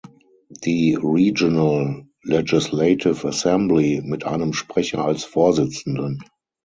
Die "Regional Legislative Assembly" mit einem Sprecher als Vorsitzenden.